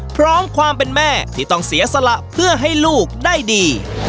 พร้อมความเป็นแม่ที่ต้องเสียสละเพื่อให้ลูกได้ดี